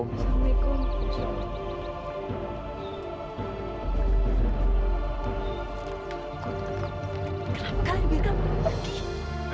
kenapa kalian biarkan mereka pergi